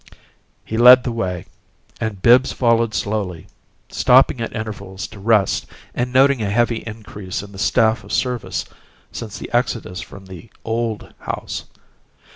He led the way, and Bibbs followed slowly, stopping at intervals to rest, and noting a heavy increase in the staff of service since the exodus from the "old" house.